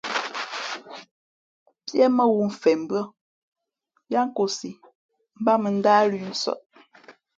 Píé mά wū mfen mbʉ́ά yáá nkōsī mbát mᾱ ndáh lʉ̄ nsάʼ.